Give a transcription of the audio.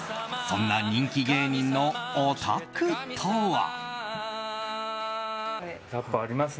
そんな人気芸人のお宅とは？